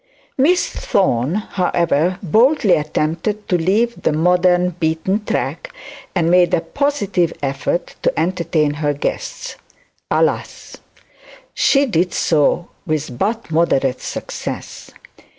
Miss Thorne, however, boldly attempted to leave the modern beaten track, and made a positive effort to entertain her guests. Alas! she did so with but moderate success.